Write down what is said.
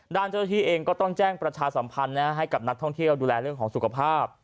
เจ้าหน้าที่เองก็ต้องแจ้งประชาสัมพันธ์ให้กับนักท่องเที่ยวดูแลเรื่องของสุขภาพ